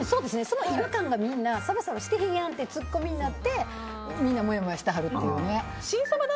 違和感がみんなサバサバしてへんやんっていうツッコミになってみんなもやもやしてはるっていう。